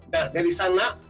nah dari sana